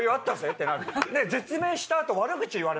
ってなる。